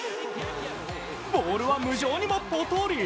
ボールは無情にもぽとり。